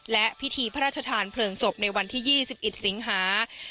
และพิธีพระราชทานเพลิงศพในวันที่๒๑สิงหา